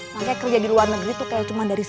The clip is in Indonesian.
makanya kerja di luar negeri tuh kayak cuma dari sini